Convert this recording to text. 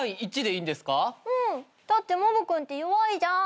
だってモブ君って弱いじゃん。